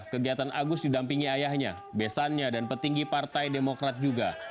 kegiatan agus didampingi ayahnya besannya dan petinggi partai demokrat juga